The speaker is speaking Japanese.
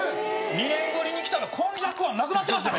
２年ぶりに来たら今昔庵なくなってましたね